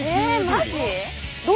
マジ？